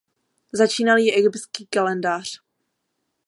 Začínal jí egyptský kalendář.